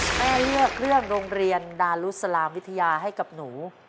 แม่เลือกเรื่องโรงเรียนดารุสลามวิทยาให้กับหนู